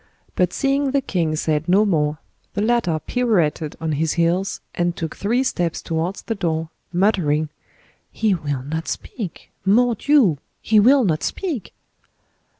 But seeing the king said no more, the latter pirouetted on his heels, and took three steps towards the door, muttering, "He will not speak! Mordioux! he will not speak!"